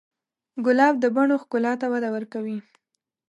ګلاب د بڼو ښکلا ته وده ورکوي.